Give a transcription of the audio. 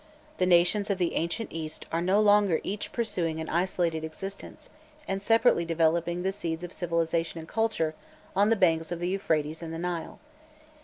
The nations of the ancient East are no longer each pursuing an isolated existence, and separately developing the seeds of civilization and culture on the banks of the Euphrates and the Nile.